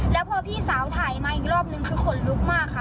แล้วพอพี่สาวถ่ายมาอีกรอบนึงคือขนลุกมากค่ะ